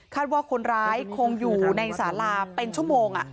ว่าคนร้ายคงอยู่ในสาราเป็นชั่วโมง